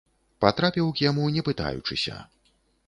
Патрапіў к яму, не пытаючыся.